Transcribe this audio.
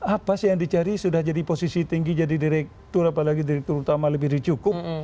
apa sih yang dicari sudah jadi posisi tinggi jadi direktur apalagi direktur utama lebih dicukup